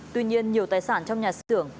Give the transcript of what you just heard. tuy nhiên nhiều tài sản trong nhà xưởng